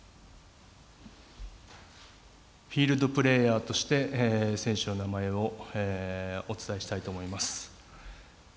フィールドプレーヤーとして選手の名前をお伝えしたいと思います。